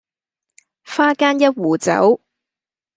花間一壺酒，